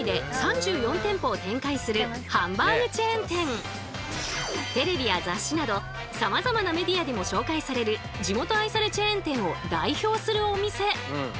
やって来たのはテレビや雑誌などさまざまなメディアでも紹介される地元愛されチェーン店を代表するお店。